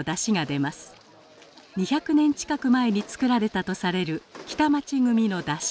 ２００年近く前に作られたとされる北町組の山車。